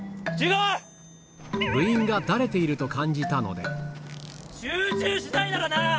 部員がだれていると感じたの集中しないならな！